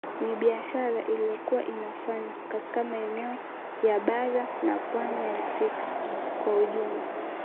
Ni biashara iliyokuwa inafanywa katika maeneo ya bara na pwani ya afrika kwa ujumla